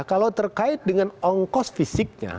kalau terkait dengan ongkos fisiknya